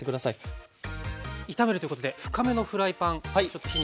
炒めるということで深めのフライパンちょっと火にかけてあります。